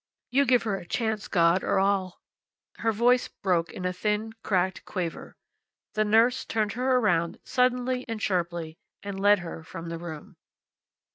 You give her a chance, God, or I'll " Her voice broke in a thin, cracked quaver. The nurse turned her around, suddenly and sharply, and led her from the room.